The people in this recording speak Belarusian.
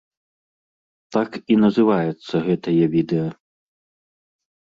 Так і называецца гэтае відэа.